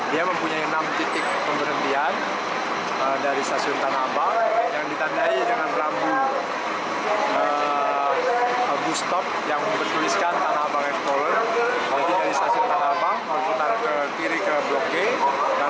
dia mempunyai enam titik pemberhentian dari stasiun tanah abang yang ditandai dengan rambu bus stop yang berkuliskan tanah abang explorer